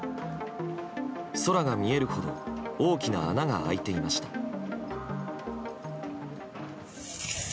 空が見えるほど大きな穴が開いていました。